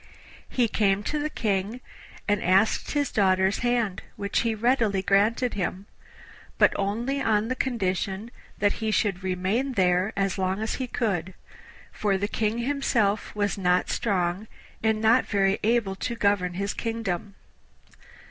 He came to the King and asked his daughter's hand, which he readily granted him, but only on the condition that he should remain there as long as he could, for the King himself was not strong and not very able to govern his kingdom.